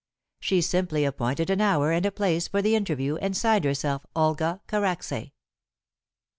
She simply appointed an hour and a place for the interview and signed herself Olga Karacsay.